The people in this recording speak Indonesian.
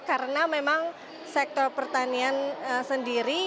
karena memang sektor pertanian